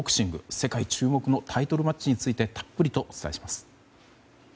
世界注目のタイトルマッチについてたっぷりとお伝えします。